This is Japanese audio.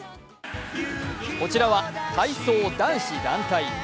こちらは体操男子団体。